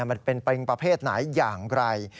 มันเป็นปริงประเภทไหนอย่างไร